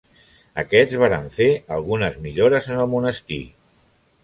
Aquests varen fer algunes millores en el monestir.